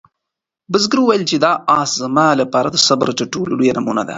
بزګر وویل چې دا آس زما لپاره د صبر تر ټولو لویه نمونه ده.